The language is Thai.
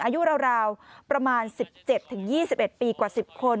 อายุราวประมาณ๑๗๒๑ปีกว่า๑๐คน